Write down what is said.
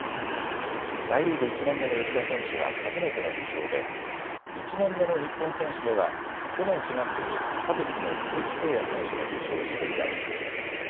大リーグ１年目の吉田選手は初めての受賞で１年目の日本選手では去年４月にカブスの鈴木誠也選手が受賞して以来です。